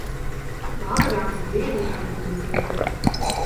We hadden daar toch lering uit moeten trekken.